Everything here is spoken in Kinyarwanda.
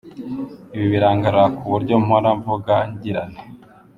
Ibi birangarura kubyo mpora nvuga ngira nti